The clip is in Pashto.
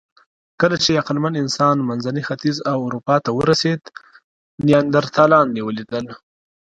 کله چې عقلمن انسان منځني ختیځ او اروپا ته ورسېد، نیاندرتالان یې ولیدل.